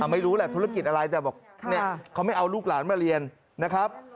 ไม่รู้แหละธุรกิจอะไรแต่บอกเขาไม่เอาลูกหลานมาเรียนนะครับ